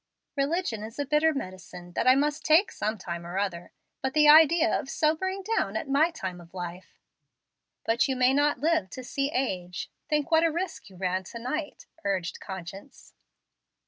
Religion is a bitter medicine that I must take some time or other. But the idea of sobering down at my time of life!" "But you may not live to see age, Think what a risk you ran to night," urged conscience.